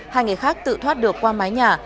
hai người khác tự thoát được qua mái nhà